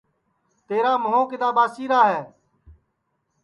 تیرا مُھو کِدؔا ٻاسیرا ہے